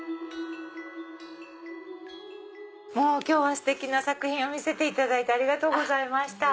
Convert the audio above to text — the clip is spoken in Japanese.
ステキな作品を見せていただいてありがとうございました。